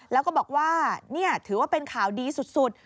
แล้วก็บอกว่านี่ถือว่าเป็นข่าวดีสุด